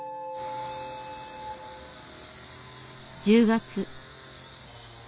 １０月。